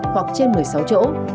hoặc trên một mươi sáu chỗ